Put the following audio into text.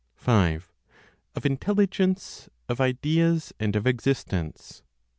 Of Intelligence, of Ideas, and of Existence.